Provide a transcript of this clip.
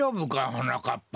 はなかっぱ。